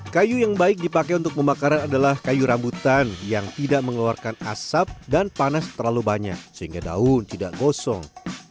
kayu yang baik dipakai untuk pembakaran adalah kayu rambutan yang tidak mengeluarkan asap dan panas terlalu banyak sehingga daun tidak gosong